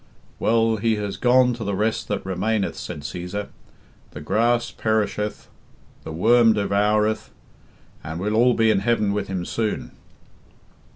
"Well, he has gone to the rest that remaineth," said Cæsar. "The grass perisheth, and the worm devoureth, and well all be in heaven with him soon."